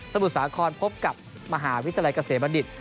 มุทสาครพบกับมหาวิทยาลัยเกษมบัณฑิต